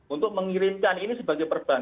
untuk mengirimkan ini sebagai perban